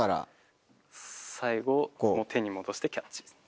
最後手に戻してキャッチですね。